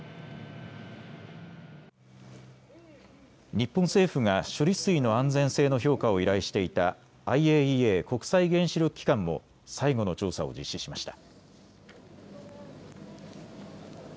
日本政府が処理水の安全性の評価を依頼していたＩＡＥＡ国際原子力機関も最後の調査を実施しました。